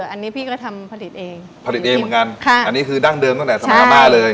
อันนี้พี่ก็ทำผลิตเองผลิตเองเหมือนกันค่ะอันนี้คือดั้งเดิมตั้งแต่สมัยอาม่าเลย